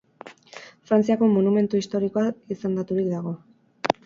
Frantziako monumentu historikoa izendaturik dago.